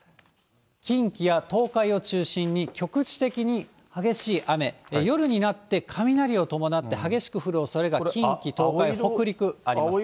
近畿や東海を中心に、局地的に激しい雨、夜になって雷を伴って、激しく降るおそれが、これ、近畿、東海、北陸、あります。